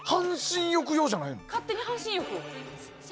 勝手に半身浴？